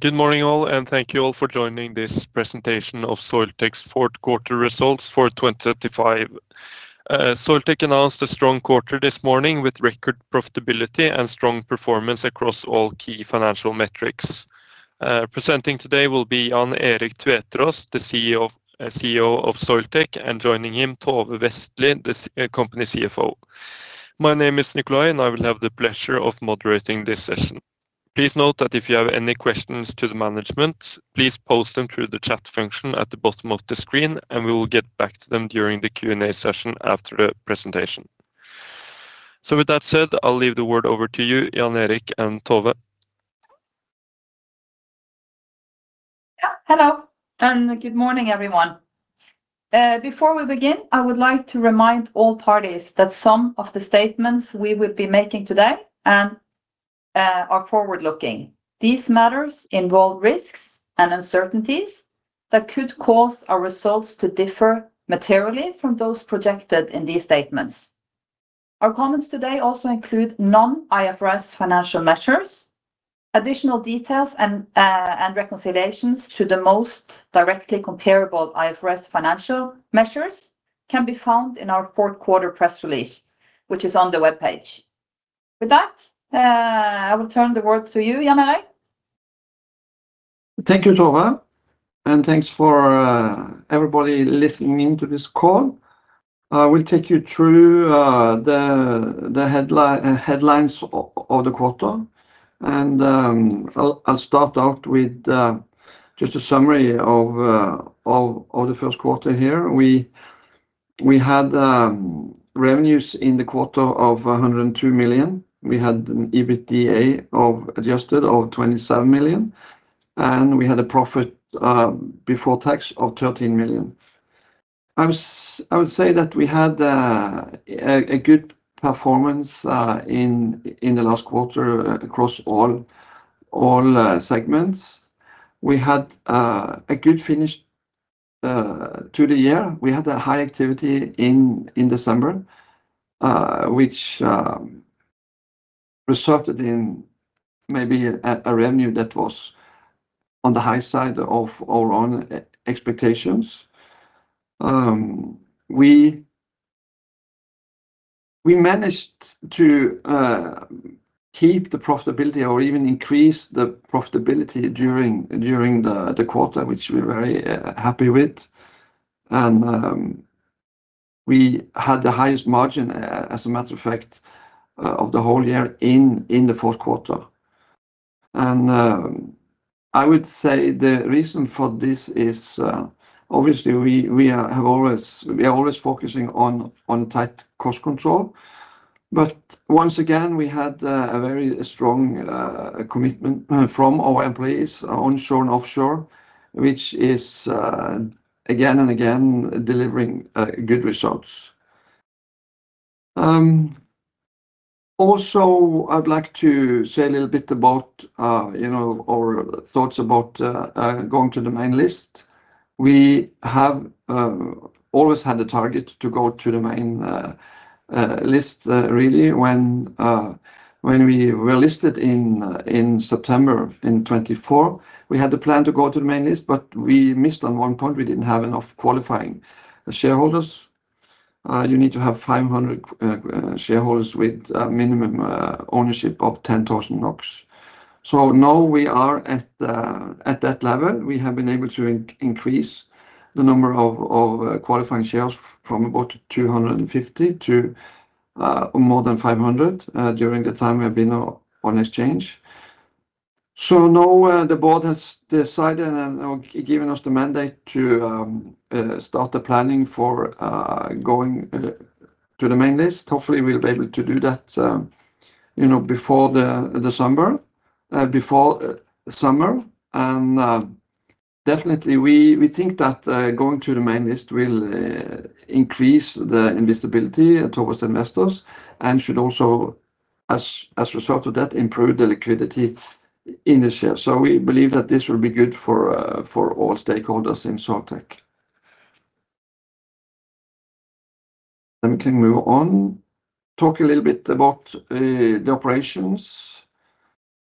Good morning, all, and thank you all for joining this presentation of Soiltech's fourth quarter results for 2035. Soiltech announced a strong quarter this morning with record profitability and strong performance across all key financial metrics. Presenting today will be Jan Erik Tveteraas, the CEO of Soiltech, and joining him, Tove Vestlie, the company CFO. My name is Nikolay, and I will have the pleasure of moderating this session. Please note that if you have any questions to the management, please post them through the chat function at the bottom of the screen, and we will get back to them during the Q&A session after the presentation. With that said, I'll leave the word over to you, Jan Erik and Tove. Yeah. Hello, and good morning, everyone. Before we begin, I would like to remind all parties that some of the statements we will be making today are forward-looking. These matters involve risks and uncertainties that could cause our results to differ materially from those projected in these statements. Our comments today also include non-IFRS financial measures. Additional details and reconciliations to the most directly comparable IFRS financial measures can be found in our fourth quarter press release, which is on the webpage. With that, I will turn the word to you, Jan Erik. Thank you, Tove, and thanks for everybody listening in to this call. I will take you through the headlines of the quarter, and I'll start out with just a summary of the first quarter here. We had revenues in the quarter of 102 million. We had an EBITDA of adjusted of 27 million, and we had a profit before tax of 13 million. I would say that we had a good performance in the last quarter across all segments. We had a good finish to the year. We had a high activity in December, which resulted in maybe a revenue that was on the high side of our own expectations. We managed to keep the profitability or even increase the profitability during the quarter, which we're very happy with. We had the highest margin, as a matter of fact, of the whole year in the fourth quarter. I would say the reason for this is, obviously, we are always focusing on tight cost control, but once again, we had a very strong commitment from our employees, onshore and offshore, which is, again and again, delivering good results. Also, I'd like to say a little bit about, you know, our thoughts about going to the main list. We have always had a target to go to the main list, really. When we were listed in September, in 2024, we had the plan to go to the main list, but we missed on one point. We didn't have enough qualifying shareholders. You need to have 500 shareholders with a minimum ownership of 10,000 NOK. Now we are at that level. We have been able to increase the number of qualifying shares from about 250 to more than 500 during the time we have been on exchange. Now the board has decided and given us the mandate to start the planning for going to the main list. Hopefully, we'll be able to do that, you know, before December, before summer. Definitely, we think that going to the main list will increase the visibility towards investors and should also, as a result of that, improve the liquidity in the share. We believe that this will be good for all stakeholders in Soiltech. We can move on. Talk a little bit about the operations.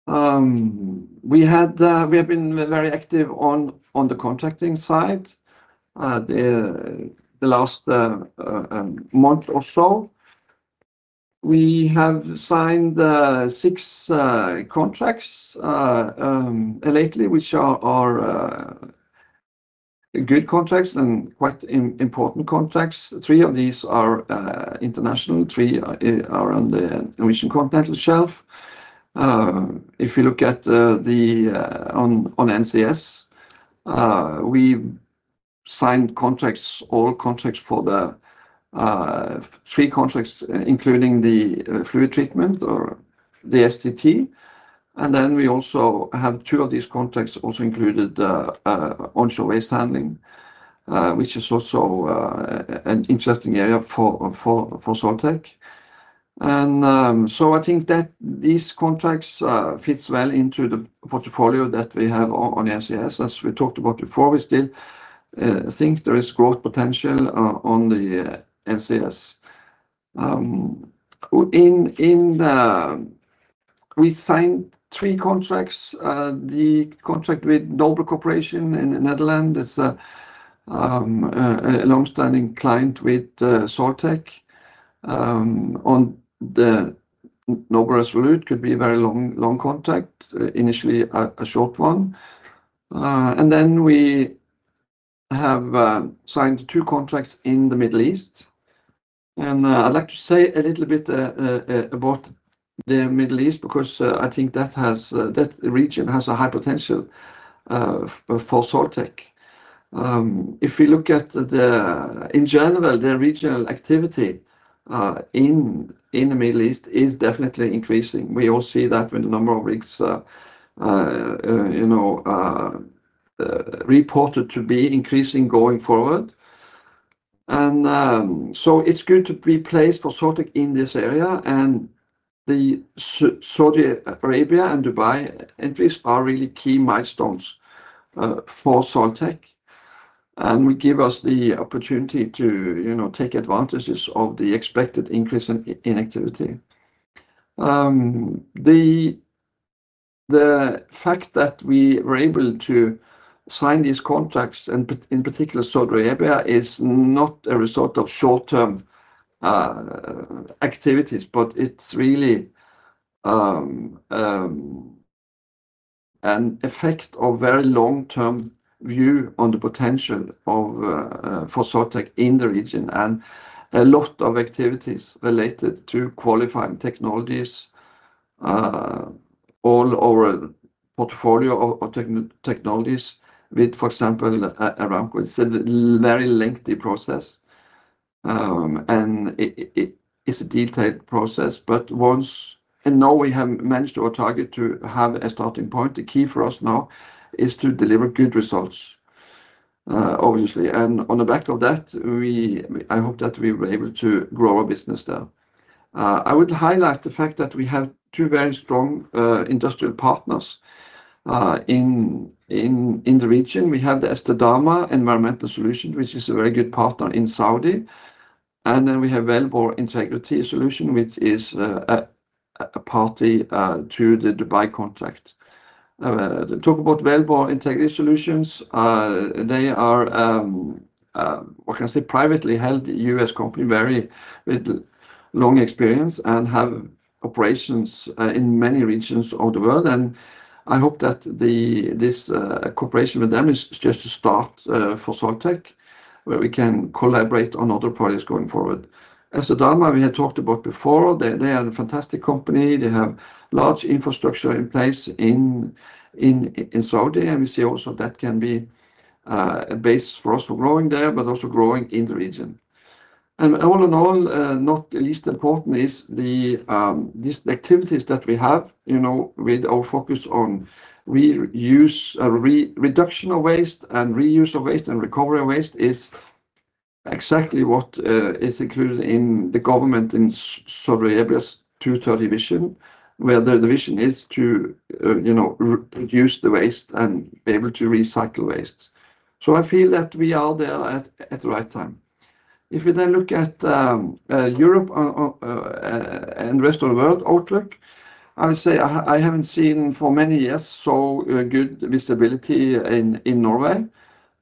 We have been very active on the contracting side. The last month or so, we have signed six contracts lately, which are good contracts and quite important contracts. three of these are international, three are on the Norwegian Continental Shelf. If you look at the NCS, we signed contracts, all contracts for the three contracts, including fluid treatment or the STT. We also have two of these contracts also included onshore waste handling, which is also an interesting area for Soiltech. I think that these contracts fits well into the portfolio that we have on the NCS. As we talked about before, we still think there is growth potential on the NCS. In the we signed three contracts. The contract with Noble Corporation in the Netherlands is a long-standing client with Soiltech on the Noble Resolute. Could be a very long, long contract, initially a short one. We have signed two contracts in the Middle East, and I'd like to say a little bit about the Middle East, because I think that has... That region has a high potential for Soiltech. In general, the regional activity in the Middle East is definitely increasing. We all see that with the number of rigs, you know, reported to be increasing going forward. It's good to be placed for Soiltech in this area, and the Saudi Arabia and Dubai entries are really key milestones for Soiltech and will give us the opportunity to, you know, take advantages of the expected increase in activity. The fact that we were able to sign these contracts, and in particular Saudi Arabia, is not a result of short-term activities, but it's really an effect of very long-term view on the potential for Soiltech in the region, and a lot of activities related to qualifying technologies all over portfolio of technologies with, for example, around it's a very lengthy process. It's a detailed process, but once... Now we have managed our target to have a starting point. The key for us now is to deliver good results, obviously, and on the back of that, I hope that we were able to grow our business there. I would highlight the fact that we have two very strong industrial partners in the region. We have the Estidama Environmental Solutions, which is a very good partner in Saudi, and then we have Wellbore Integrity Solutions, which is a party to the Dubai contract. Talk about Wellbore Integrity Solutions, they are, what can I say? Privately held U.S. company, very with long experience and have operations in many regions of the world. I hope that this cooperation with them is just a start for Soiltech, where we can collaborate on other projects going forward. Esdarma, we had talked about before. They are a fantastic company. They have large infrastructure in place in Saudi, and we see also that can be a base for us for growing there, but also growing in the region. All in all, not least important is these activities that we have, you know, with our focus on reuse, reduction of waste and reuse of waste and recovery of waste is exactly what is included in the government in Saudi Arabia's 2030 Vision, where the vision is to, you know, reduce the waste and be able to recycle waste. I feel that we are there at the right time. If we then look at Europe and rest of the world outlook, I would say I haven't seen for many years so good visibility in Norway.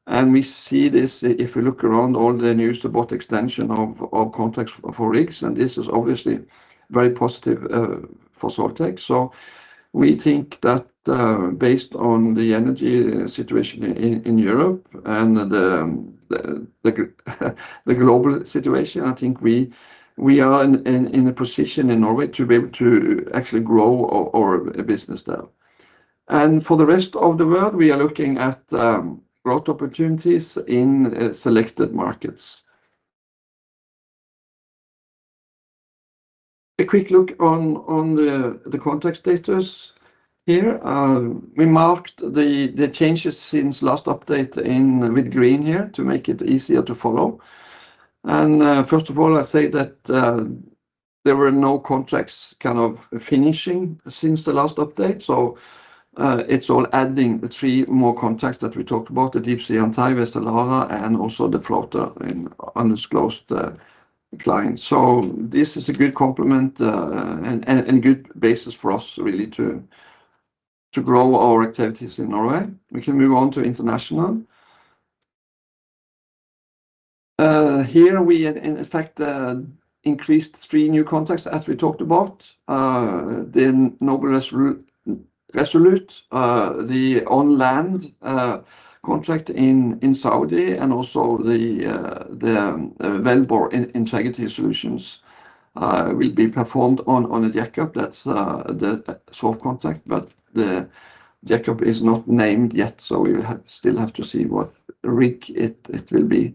We see this if we look around all the news about extension of contracts for rigs, and this is obviously very positive for Soiltech. We think that based on the energy situation in Europe and the global situation, I think we are in a position in Norway to be able to actually grow our business there. For the rest of the world, we are looking at growth opportunities in selected markets. A quick look on the contract status here. We marked the changes since last update in with green here to make it easier to follow. First of all, I say that there were no contracts kind of finishing since the last update, so it's all adding the thre more contracts that we talked about, the Deepsea Antares, the Lara, and also the floater in undisclosed client. This is a good complement and good basis for us really to grow our activities in Norway. We can move on to international. Here we in effect increased three new contracts, as we talked about, the Noble Resolute, the on-land contract in Saudi, and also the Wellbore Integrity Solutions will be performed on a jackup. That's the sort of contract, but the jackup is not named yet, so we will still have to see what rig it will be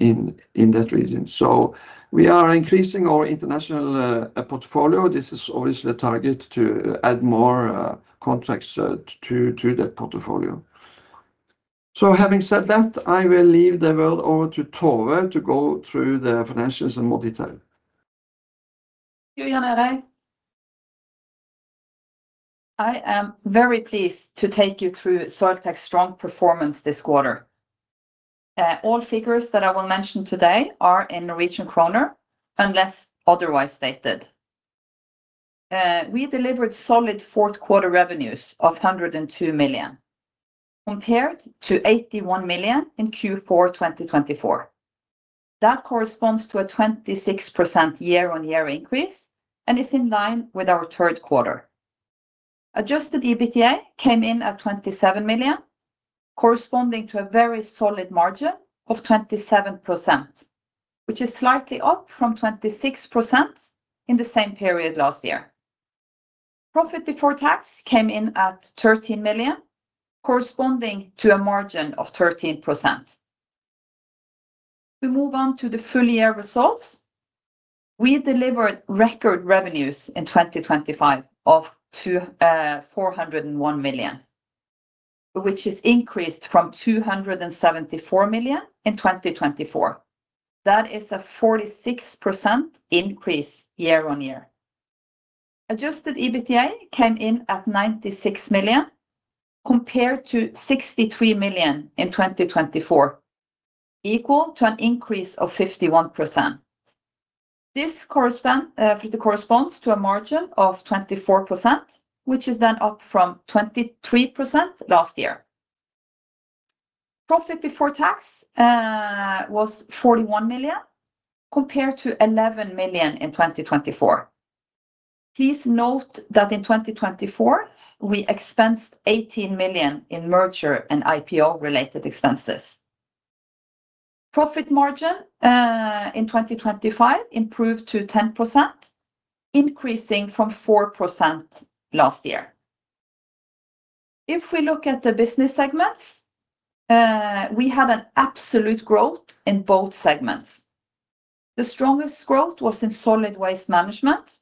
in that region. We are increasing our international portfolio. This is obviously a target to add more contracts to that portfolio. Having said that, I will leave the word over to Tove to go through the financials in more detail. Good, Jan Erik. I am very pleased to take you through Soiltech's strong performance this quarter. All figures that I will mention today are in Norwegian kroner, unless otherwise stated. We delivered solid fourth quarter revenues of 102 million, compared to 81 million in Q4 2024. That corresponds to a 26% year-on-year increase, and is in line with our third quarter. Adjusted EBITDA came in at 27 million, corresponding to a very solid margin of 27%, which is slightly up from 26% in the same period last year. Profit before tax came in at 13 million, corresponding to a margin of 13%. We move on to the full year results. We delivered record revenues in 2025 of 401 million, which is increased from 274 million in 2024. That is a 46% increase year-on-year. Adjusted EBITDA came in at 96 million, compared to 63 million in 2024, equal to an increase of 51%. This corresponds to a margin of 24%, which is then up from 23% last year. Profit before tax was 41 million, compared to 11 million in 2024. Please note that in 2024, we expensed 18 million in merger and IPO-related expenses. Profit margin in 2025 improved to 10%, increasing from 4% last year. If we look at the business segments, we had an absolute growth in both segments. The strongest growth was in solid waste management.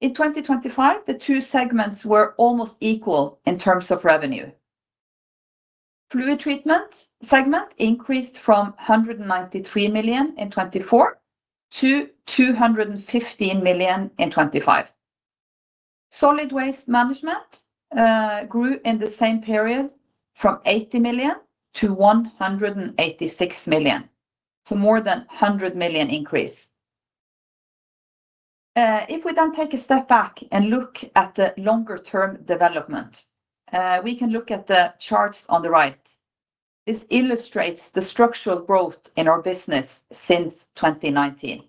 In 2025, the two segments were almost equal in terms of fluid treatment segment increased from 193 million in 2024 to 215 million in 2025. solid waste management grew in the same period from 80 million to 186 million, so more than 100 million increase. If we then take a step back and look at the longer term development, we can look at the charts on the right. This illustrates the structural growth in our business since 2019.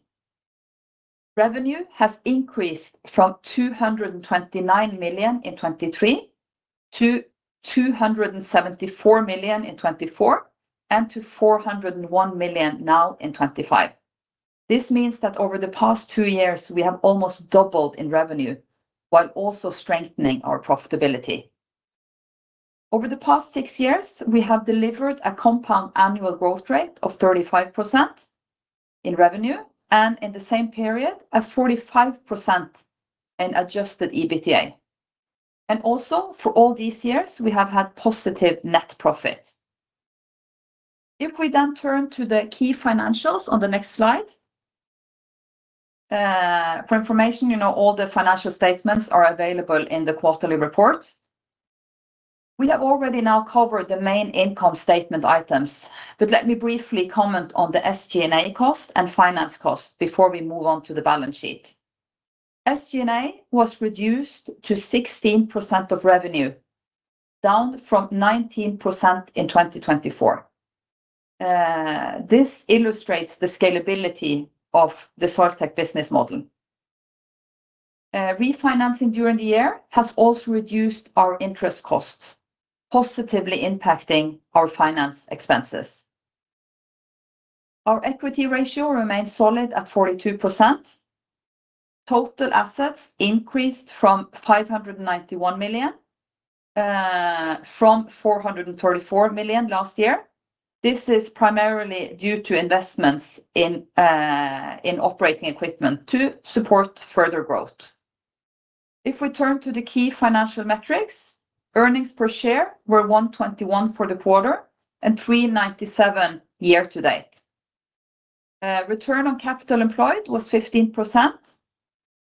Revenue has increased from 229 million in 2023, to 274 million in 2024, and to 401 million now in 2025. This means that over the past two years, we have almost doubled in revenue, while also strengthening our profitability. Over the past six years, we have delivered a compound annual growth rate of 35% in revenue, and in the same period, a 45% in Adjusted EBITDA. Also, for all these years, we have had positive net profits. If we then turn to the key financials on the next slide. For information, you know, all the financial statements are available in the quarterly report. We have already now covered the main income statement items, but let me briefly comment on the SG&A cost and finance cost before we move on to the balance sheet. SG&A was reduced to 16% of revenue, down from 19% in 2024. This illustrates the scalability of the Soiltech business model. Refinancing during the year has also reduced our interest costs, positively impacting our finance expenses. Our equity ratio remains solid at 42%. Total assets increased from 591 million from 434 million last year. This is primarily due to investments in operating equipment to support further growth. If we turn to the key financial metrics, earnings per share were 1.21 for the quarter and 3.97 year-to-date. Return on capital employed was 15%,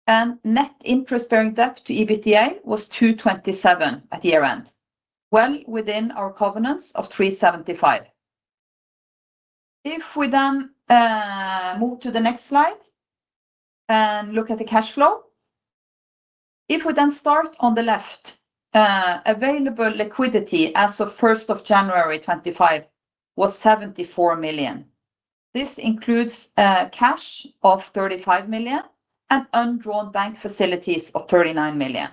and net interest-bearing debt to EBITDA was 2.27 at year-end, well within our covenants of 3.75. If we then move to the next slide and look at the cash flow. If we then start on the left, available liquidity as of 1st January 2025 was 74 million. This includes cash of 35 million and undrawn bank facilities of 39 million.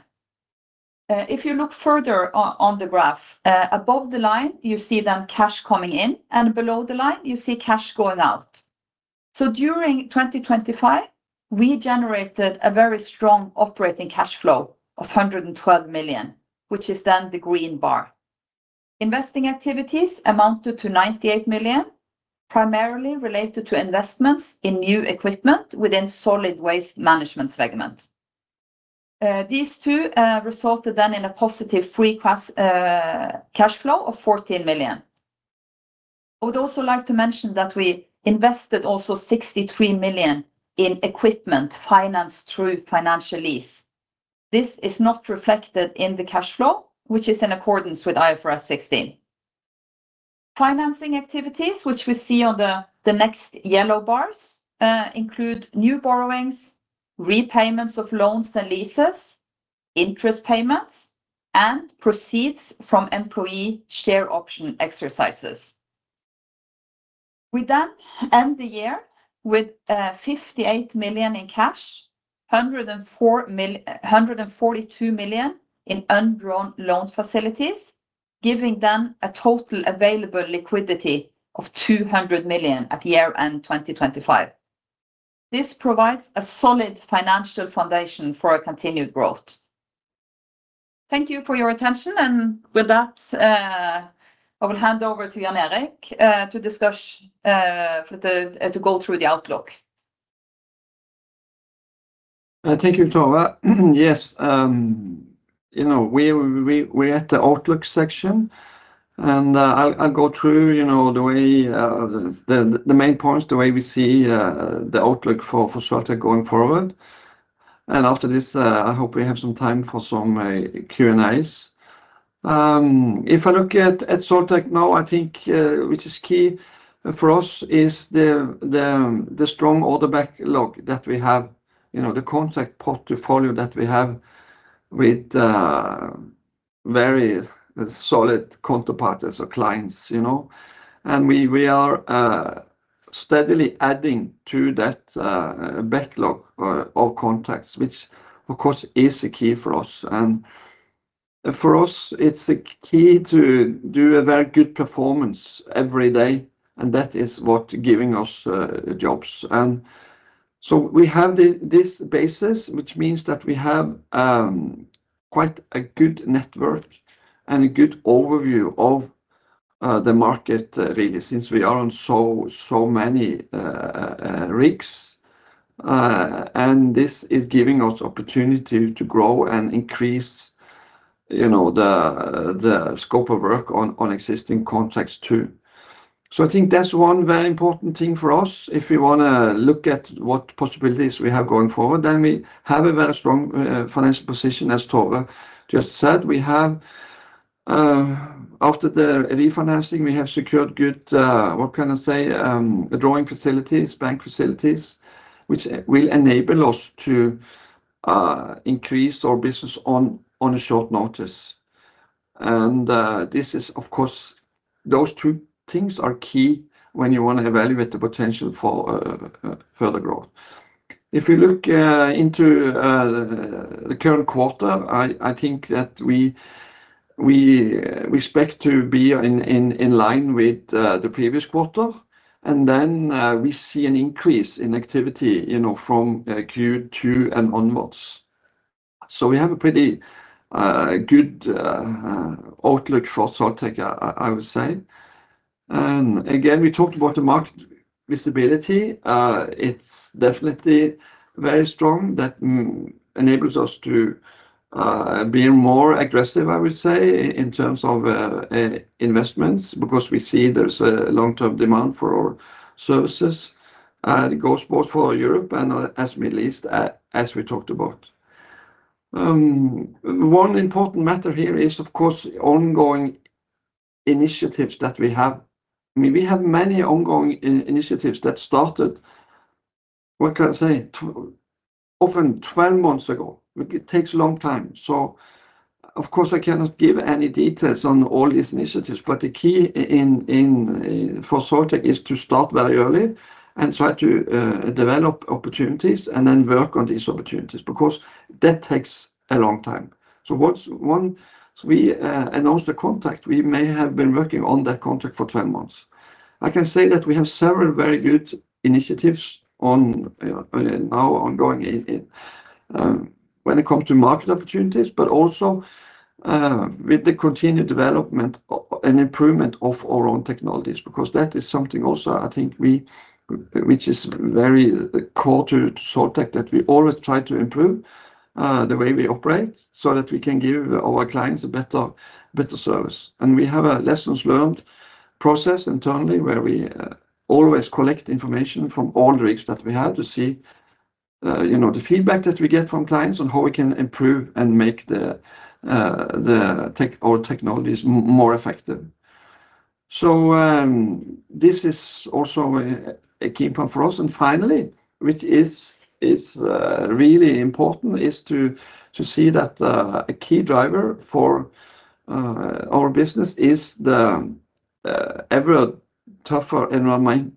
If you look further on the graph, above the line, you see then cash coming in, and below the line, you see cash going out. During 2025, we generated a very strong operating cash flow of 112 million, which is then the green bar. Investing activities amounted to 98 million, primarily related to investments in new equipment within solid waste management segment. These two resulted then in a positive free cash flow of 14 million. I would also like to mention that we invested also 63 million in equipment financed through financial lease. This is not reflected in the cash flow, which is in accordance with IFRS 16. Financing activities, which we see on the next yellow bars, include new borrowings, repayments of loans and leases, interest payments, and proceeds from employee share option exercises. We then end the year with 58 million in cash, 142 million in undrawn loan facilities, giving them a total available liquidity of 200 million at year-end 2025. This provides a solid financial foundation for our continued growth. Thank you for your attention, and with that, I will hand over to Jan Erik to go through the outlook. Thank you, Tove. Yes, you know, we're at the outlook section, and I'll go through, you know, the way the main points, the way we see the outlook for Soiltech going forward. After this, I hope we have some time for some Q&As. If I look at Soiltech now, I think which is key for us is the strong order backlog that we have, you know, the contract portfolio that we have with very solid counterparties or clients, you know? We are steadily adding to that backlog of contracts, which of course, is a key for us. For us, it's a key to do a very good performance every day, and that is what giving us jobs. We have this basis, which means that we have quite a good network and a good overview of the market, really, since we are on so many rigs. This is giving us opportunity to grow and increase, you know, the scope of work on existing contracts, too. I think that's one very important thing for us. If we wanna look at what possibilities we have going forward, then we have a very strong financial position, as Tove just said. After the refinancing, we have secured good, what can I say, drawing facilities, bank facilities, which will enable us to increase our business on a short notice. This is of course. Those two things are key when you want to evaluate the potential for further growth. If you look into the current quarter, I think that we expect to be in line with the previous quarter, and then we see an increase in activity, you know, from Q2 and onwards. We have a pretty good outlook for Soiltech, I would say. Again, we talked about the market visibility. It's definitely very strong. That enables us to be more aggressive, I would say, in terms of investments, because we see there's a long-term demand for our services, it goes both for Europe and as Middle East as we talked about. One important matter here is, of course, ongoing initiatives that we have. I mean, we have many ongoing initiatives that started, what can I say? Often 12 months ago. It takes a long time. Of course, I cannot give any details on all these initiatives, but the key for Soiltech is to start very early and try to develop opportunities and then work on these opportunities, because that takes a long time. Once we announce the contract, we may have been working on that contract for 12 months. I can say that we have several very good initiatives now ongoing when it comes to market opportunities, but also with the continued development and improvement of our own technologies, because that is something also, I think, which is very core to Soiltech, that we always try to improve the way we operate so that we can give our clients a better service. We have a lessons learned process internally, where we always collect information from all the rigs that we have to see, you know, the feedback that we get from clients on how we can improve and make our technologies more effective. This is also a key point for us. And finally, which is, is reallyimportantis to see thata key driver for our business is the the ever tougher enviroment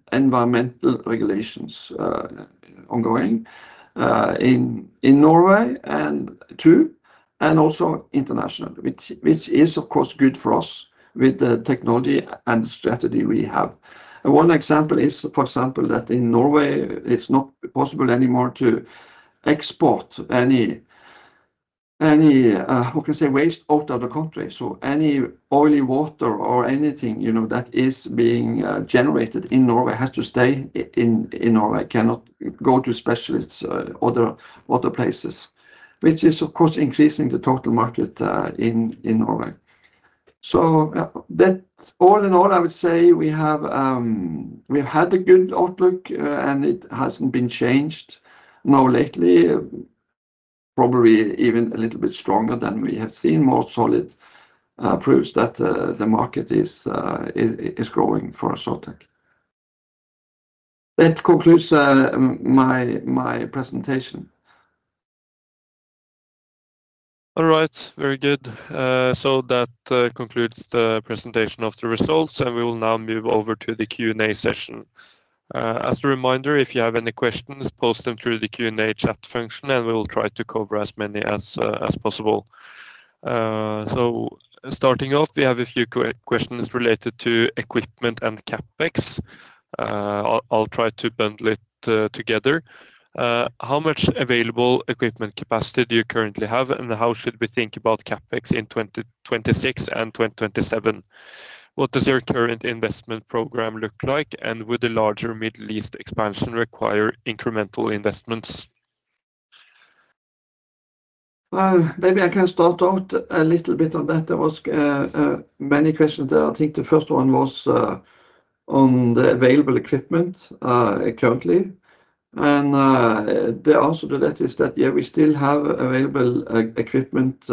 regulations ongoing in Norway and too and also international which is of course good for uswith the tech nology and strategy we have. Foe example, that in Norway it's not possible anymore too, export any, how can you say waste both other countries. So any oily water or anything, you know, that is being generatedin Norway has to stay in Norway, cannot go to specialist, other places which is, of course, increasing the totak market in Norway. Now, lately, probably even a little bit stronger than we have seen. More solid proves that the market is growing for Soiltech. That concludes my presentation. * "How much..." (Correct). * Wait, "Uh, as a reminder..." * "As a reminder..." (Correct). * Wait, "Uh, as possible." * "as possible." (Correct). * Wait, "Uh, so that, uh, concludes..." * "That concludes..." (Correct). * Wait, "Uh, so starting off..." * "Starting off..." (Correct). * Wait, "Uh, I'll, I'll try..." * "I'll try..." (Correct) Maybe I can start out a little bit on that. There was many questions there. I think the first one was on the available equipment currently. The answer to that is that, yeah, we still have available equipment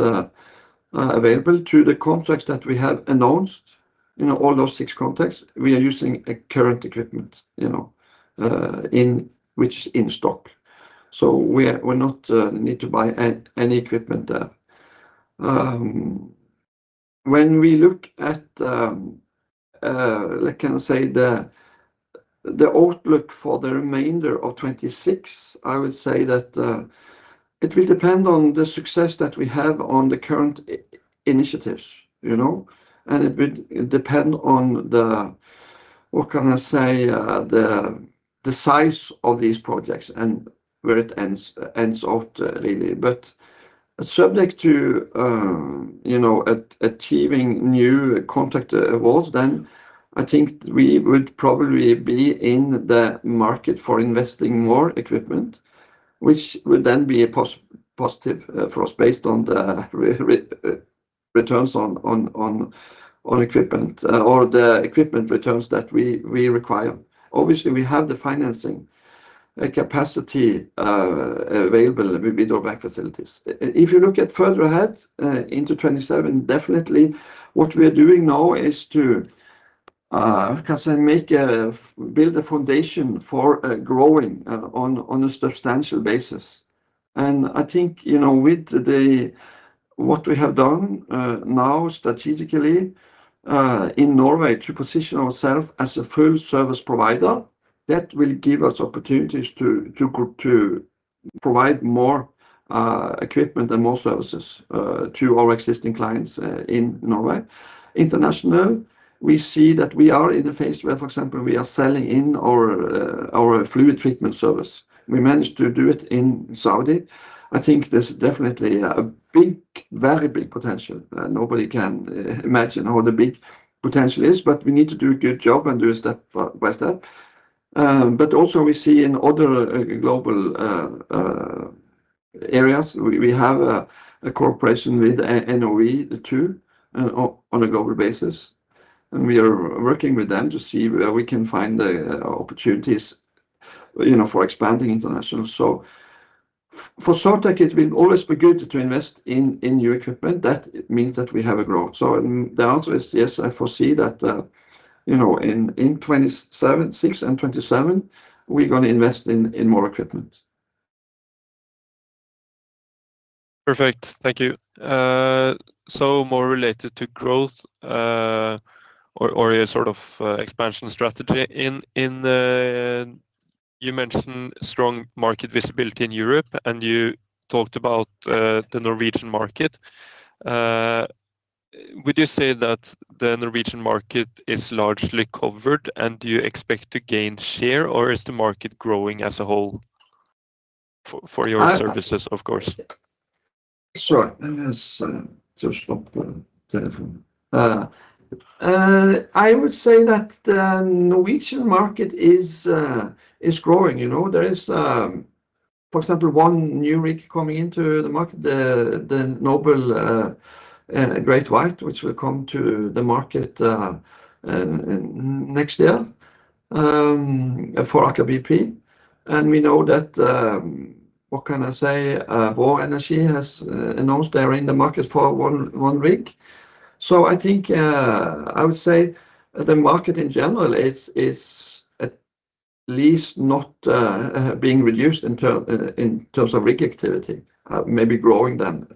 available through the contracts that we have announced. You know, all those six contracts, we are using a current equipment, you know, in which in stock. We not need to buy any equipment there. When we look at, let can I say, the outlook for the remainder of 2026, I would say that it will depend on the success that we have on the current initiatives, you know, and it would depend on, what can I say, the size of these projects and where it ends out, really. Subject to, you know, achieving new contract awards, then I think we would probably be in the market for investing more equipment, which would then be a positive for us, based on the returns on equipment or the equipment returns that we require. Obviously, we have the financing capacity available with our bank facilities. If you look at further ahead into 2027, definitely what we are doing now is to, can I say, build a foundation for growing on a substantial basis. I think, you know, with what we have done now strategically in Norway to position ourself as a full service provider, that will give us opportunities to provide more equipment and more services to our existing clients in Norway. International, we see that we are in a phase where, for example, we are selling in fluid treatment service. We managed to do it in Saudi. I think there's definitely a big, very big potential. Nobody can imagine how the big potential is, but we need to do a good job and do step by step. Also we see in other global areas, we have a cooperation with Noble, the two, on a global basis, and we are working with them to see where we can find the opportunities, you know, for expanding international. For Soiltech, it will always be good to invest in new equipment. That means that we have a growth. The answer is yes. I foresee that, you know, in 2027, 2026, and 2027, we're going to invest in more equipment. Perfect. Thank you. More related to growth or a sort of expansion strategy. You mentioned strong market visibility in Europe, and you talked about the Norwegian market. Would you say that the Norwegian market is largely covered, and do you expect to gain share, or is the market growing as a whole for your services, of course? Sure. I would say that the Norwegian market is growing. You know, there is, for example, one new rig coming into the market, the Noble GreatWhite, which will come to the market in next year for Aker BP. We know that, what can I say? Vår Energi has announced they are in the market for one rig. I think I would say the market in general is at least not being reduced in terms of rig activity, maybe growing then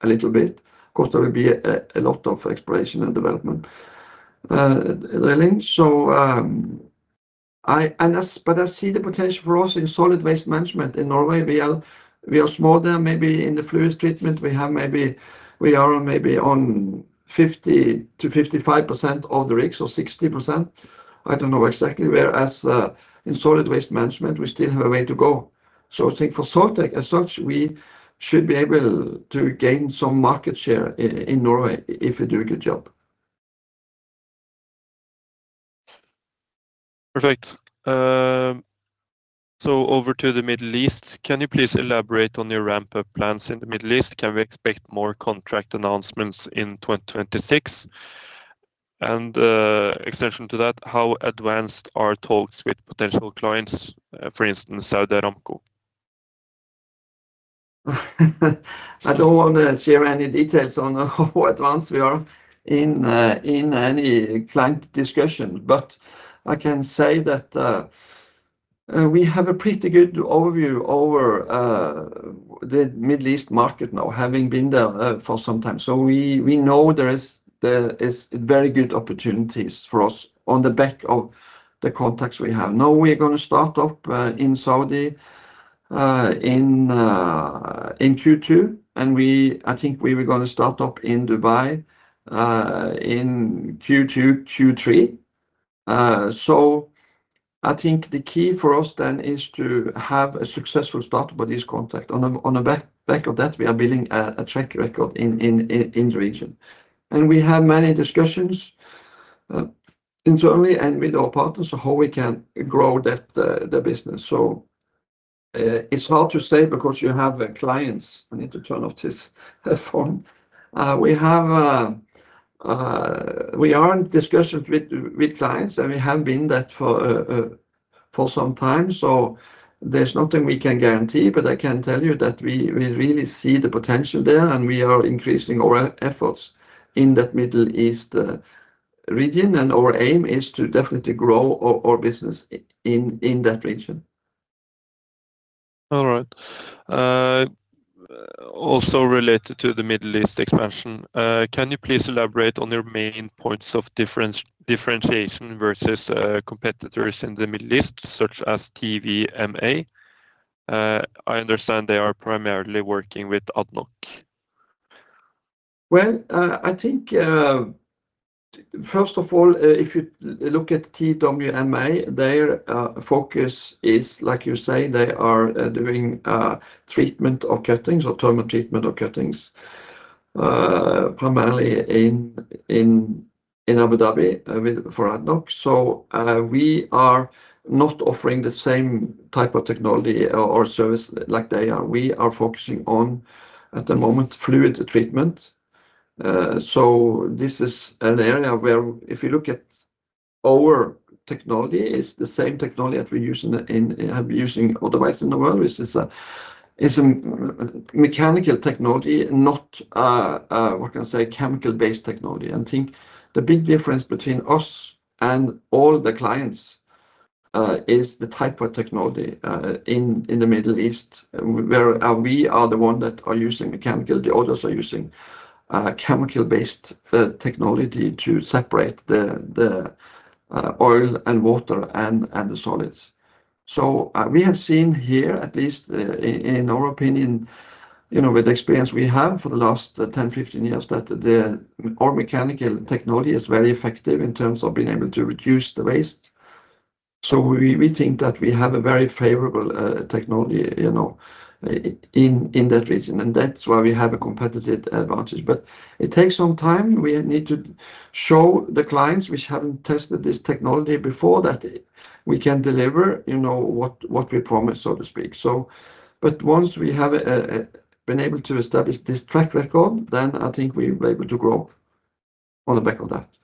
a little bit, 'cause there will be a lot of exploration and development, really, but I see the potential for us in solid waste management in Norway. We are smaller, maybe in fluid treatment. we are on maybe 50%-55% of the rigs, or 60%, I don't know exactly, whereas in solid waste management, we still have a way to go. I think for Soiltech, as such, we should be able to gain some market share in Norway if we do a good job. Perfect. Over to the Middle East, can you please elaborate on your ramp-up plans in the Middle East? Can we expect more contract announcements in 2026? Extension to that, how advanced are talks with potential clients, for instance, Saudi Aramco? I don't want to share any details on how advanced we are in any client discussion, but I can say that we have a pretty good overview over the Middle East market now, having been there for some time. We know there is very good opportunities for us on the back of the contacts we have. Now, we're gonna start up in Saudi in Q2, and I think we were gonna start up in Dubai in Q2-Q3. I think the key for us then is to have a successful start with this contract. On the back of that, we are building a track record in the region, and we have many discussions internally and with our partners on how we can grow the business. It's hard to say because you have clients. I need to turn off this phone. We are in discussions with clients, and we have been that for some time, so there's nothing we can guarantee. I can tell you that we really see the potential there, and we are increasing our efforts in that Middle East region. Our aim is to definitely grow our business in that region. All right. Also related to the Middle East expansion, can you please elaborate on your main points of differentiation versus competitors in the Middle East, such as TWMA? I understand they are primarily working with ADNOC. Well, I think, first of all, if you look at TWMA, their focus is, like you say, they are doing treatment of cuttings or thermal treatment of cuttings, primarily in Abu Dhabi for ADNOC. We are not offering the same type of technology or service like they are. We are focusing on, at the fluid treatment. this is an area where if you look at our technology, it's the same technology that we have been using otherwise in the world, which is a mechanical technology, not, what can I say, chemical-based technology. I think the big difference between us and all the clients is the type of technology in the Middle East, where we are the one that are using mechanical. The others are using chemical-based technology to separate the oil and water and the solids. We have seen here, at least in our opinion, you know, with the experience we have for the last 10-15 years, that our mechanical technology is very effective in terms of being able to reduce the waste. We think that we have a very favorable technology, you know, in that region, and that's why we have a competitive advantage. But it takes some time. We need to show the clients, which haven't tested this technology before, that we can deliver, you know, what we promise, so to speak. But once we have been able to establish this track record, then I think we're able to grow on the back of that.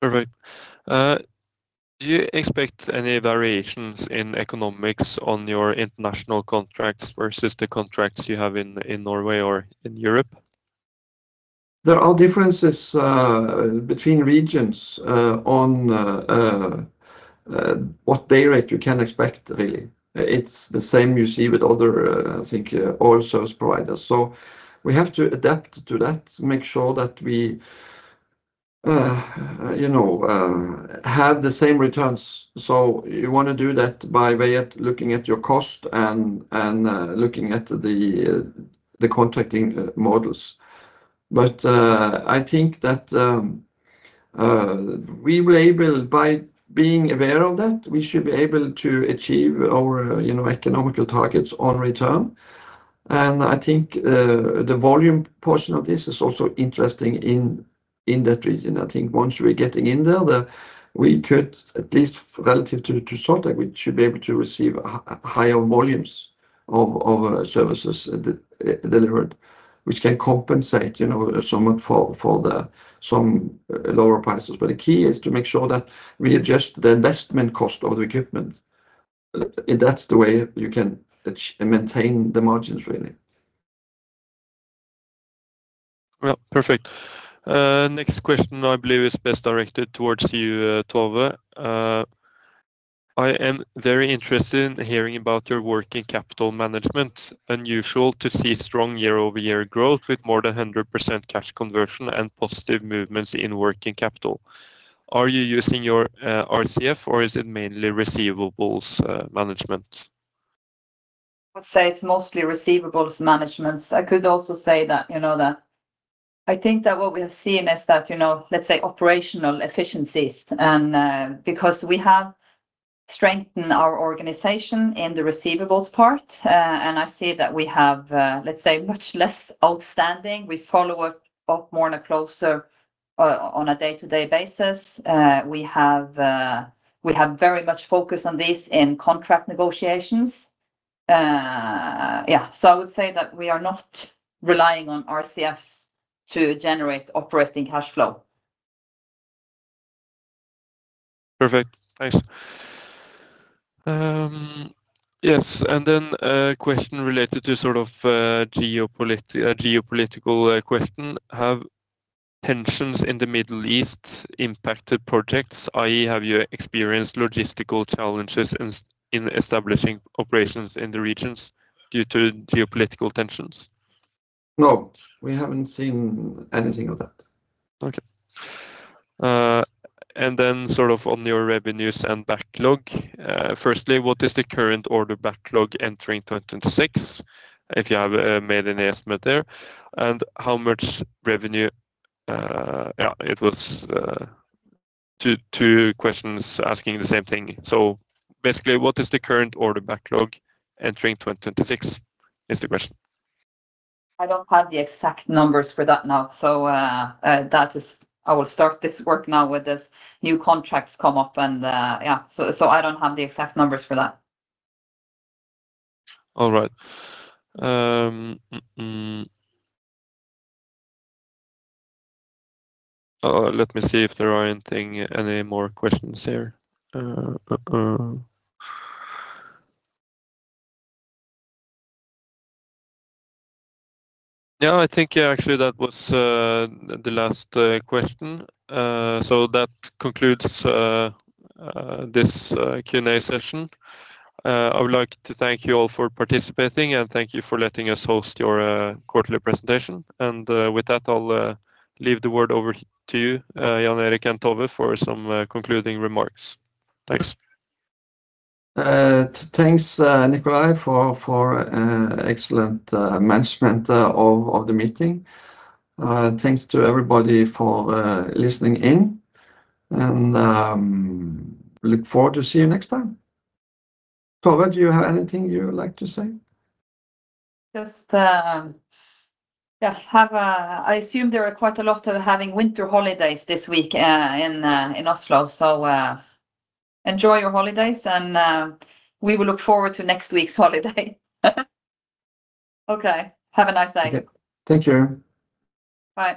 Perfect. Do you expect any variations in economics on your international contracts versus the contracts you have in Norway or in Europe? models. But I think that, by being aware of that, we should be able to achieve our, you know, economical targets on return. And I think the volume portion of this is also interesting in that region." *Wait, "I think that, by being aware of that, we should be able to achieve..."* Is there a "that" after "I think"? Original: "But, uh, I think that, um, uh, we were able, by being aware of that, we should be able to achieve..." Yes, "I think that". *Wait, "economical targets on return".* Is it "return" or "returns"? Original: "economical targets on return." (Singular). Earlier: "have the same returns." (Plural). I will keep them as spoken. *Wait, "day rate".* Original: "what day rate you can expect". *Wait, "oil service providers".* relative to sort that, we should be able to receive higher volumes of services delivered, which can compensate, you know, somewhat for the some lower prices." * Is "that we could" a false start? * "I think once we're getting in there, that we could... at least relative to sort that, we should be able to receive..." * It's a bit of a stutter/false start. * "I think once we're getting in there, a Well, perfect. Next question I believe is best directed towards you, Tove. I am very interested in hearing about your working capital management. Unusual to see strong year-over-year growth with more than 100% cash conversion and positive movements in working capital. Are you using your RCF or is it mainly receivables management? I would say it's mostly receivables management. I could also say that, you know, I think that what we have seen is that, you know, let's say, operational efficiencies and because we have. Strengthen our organization in the receivables part. I see that we have, let's say, much less outstanding. We follow up more and closer on a day-to-day basis. We have very much focused on this in contract negotiations. Yeah, so I would say that we are not relying on RCFs to generate operating cash flow. Perfect. Thanks. Yes, a question related to sort of a geopolitical question. Have tensions in the Middle East impacted projects? I.e., have you experienced logistical challenges in establishing operations in the regions due to geopolitical tensions? No, we haven't seen anything of that. Okay. Then sort of on your revenues and backlog. Firstly, what is the current order backlog entering 2026, if you have made any estimate there? Yeah, it was two questions asking the same thing. Basically, what is the current order backlog entering 2026, is the question. I don't have the exact numbers for that now. I will start this work now with this. New contracts come up and, yeah, so I don't have the exact numbers for that. All right. Let me see if there are anything, any more questions here. Yeah, I think, yeah, actually, that was the last question. That concludes this Q.&A. session. I would like to thank you all for participating, and thank you for letting us host your quarterly presentation. With that, I'll leave the word over to you, Jan Erik and Tove, for some concluding remarks. Thanks. Thanks, Nikolay, for excellent management of the meeting. Thanks to everybody for listening in, and look forward to see you next time. Tove, do you have anything you would like to say? I assume there are quite a lot of having winter holidays this week in Oslo. Enjoy your holidays, and we will look forward to next week's holiday. Okay, have a nice day. Okay. Take care. Bye.